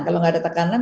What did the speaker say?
kalau gak ada tekanan